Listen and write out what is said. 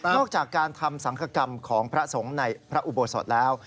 จากการทำสังคกรรมของพระสงฆ์ในพระอุโบสถแล้ว